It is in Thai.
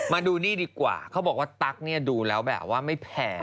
มาดูนี่ดีกว่าเขาบอกว่าตั๊กเนี่ยดูแล้วแบบว่าไม่แพ้